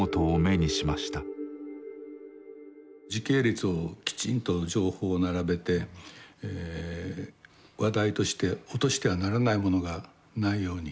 時系列をきちんと情報を並べて話題として落としてはならないものがないように。